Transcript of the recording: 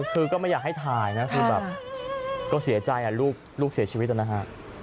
คือก็ไม่อยากให้ถ่ายนะคือแบบก็เสียใจลูกเสียชีวิตนะฮะ